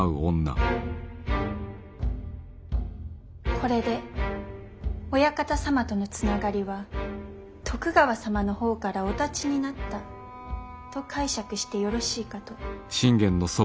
これでお屋形様とのつながりは徳川様の方からお断ちになったと解釈してよろしいかと。